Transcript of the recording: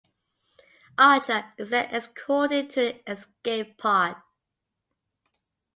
Archer is then escorted to an escape-pod.